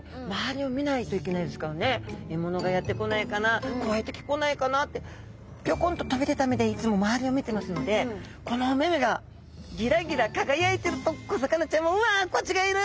獲物がやって来ないかな怖い敵来ないかなってぴょこんと飛び出た目でいつも周りを見てますのでこのお目目がギラギラ輝いてると小魚ちゃんも「うわ！コチがいる！